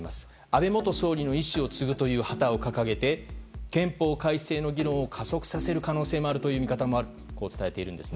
安倍元総理の遺志を継ぐという旗を掲げて憲法改正の議論を加速させる可能性もあるという見方もあると伝えているんです。